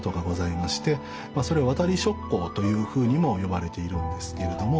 まあそれ「渡り職工」というふうにも呼ばれているんですけれども。